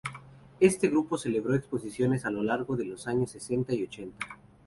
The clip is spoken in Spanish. Este grupo celebró exposiciones a lo largo de los años setenta y ochenta.